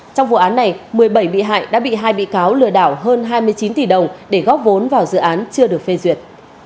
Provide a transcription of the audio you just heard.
trong vụ án này một mươi bảy bị hại đã bị hai bị cáo lừa đảo hơn hai mươi chín tỷ đồng để góp vốn vào dự án chưa được phê duyệt